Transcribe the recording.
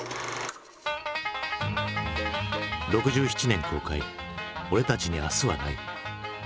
６７年公開「俺たちに明日はない」。